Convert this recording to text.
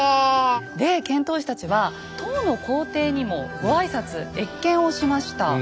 で遣唐使たちは唐の皇帝にもご挨拶謁見をしました。